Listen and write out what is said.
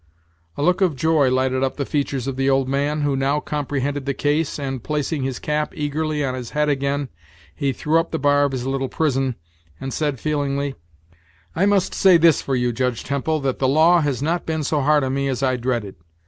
A look of joy lighted up the features of the old man, who now comprehended the case, and, placing his cap eagerly on his head again, he threw up the bar of his little prison, and said, feelingly: "I must say this for you, Judge Temple, that the law has not been so hard on me as I dreaded.